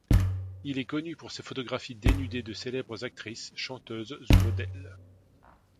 Il est connu pour ses photographies dénudées de célèbres actrices, chanteuses ou modèles.